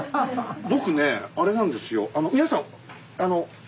僕ねあれなんですよ。